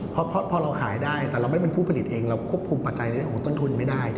พอเราขายได้แต่เราไม่เป็นผู้ผลิตเองเราควบคุมปัจจัยในเรื่องของต้นทุนไม่ได้